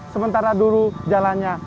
sementara dulu jalannya